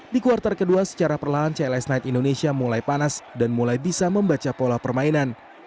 di kuartal kedua secara perlahan cls knight indonesia mulai panas dan mulai bisa membaca pola permainan